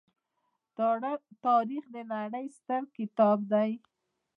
تاریخ د نړۍ ستر کتاب دی.